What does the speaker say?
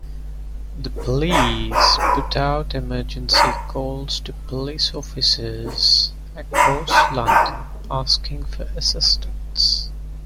The police put out emergency calls to police officers across London, asking for assistance.